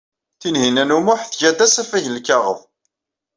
Tinhinan u Muḥ tga-d asafag n lkaɣeḍ.